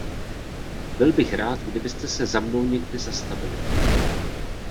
Bych byl rád, kdybyste se za mnou někdy zastavili.